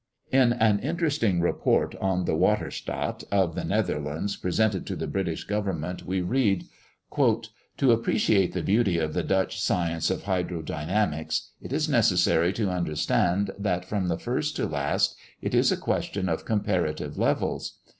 In an interesting report on the "Waterstaat" of the Netherlands, presented to the British Government, we read: "To appreciate the beauty of the Dutch science of hydrodynamics, it is necessary to understand that, from first to last, it is a question of comparative levels.